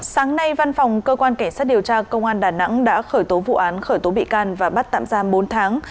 sáng nay văn phòng cơ quan cảnh sát điều tra công an đà nẵng đã khởi tố vụ án khởi tố bị can và bắt tạm giam bốn tháng